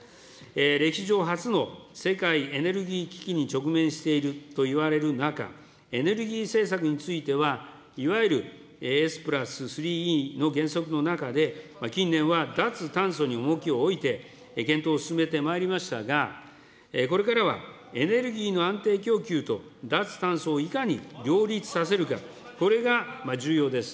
歴史上初の世界エネルギー危機に直面しているといわれる中、エネルギー政策については、いわゆるＳプラス３Ｅの原則の中で、近年は脱炭素に重きを置いて、検討を進めてまいりましたが、これからはエネルギーの安定供給と脱炭素をいかに両立させるか、これが重要です。